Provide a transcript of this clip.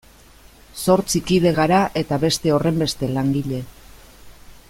Zortzi kide gara eta beste horrenbeste langile.